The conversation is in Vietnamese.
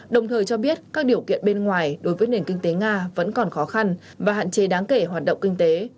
đồng thời cho biết các điều kiện bên ngoài đối với nền kinh tế nga vẫn còn khó khăn và hạn chế đáng kể hoạt động kinh tế